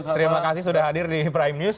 terima kasih sudah hadir di prime news